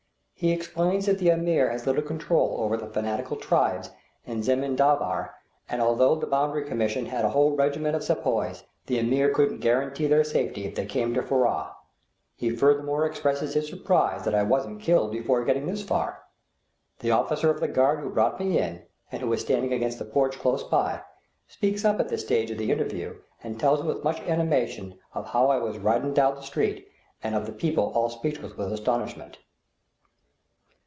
He explains that the Ameer has little control over the fanatical tribes in Zemindavar, and that although the Boundary Commission had a whole regiment of sepoys, the Ameer couldn't guarantee their safety if they came to Furrah. He furthermore expresses his surprise that I wasn't killed before getting this far. The officer of the guard who brought me in, and who is standing against the porch close by, speaks up at this stage of the interview and tells with much animation of how I was riding down the street, and of the people all speechless with astonishment.